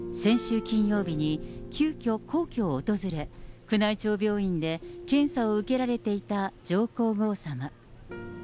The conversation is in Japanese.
先週金曜日に急きょ皇居を訪れ、宮内庁病院で検査を受けられていた上皇后さま。